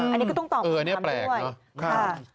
อันนี้ก็ต้องตอบคุณคำด้วยอันนี้แปลกเนอะ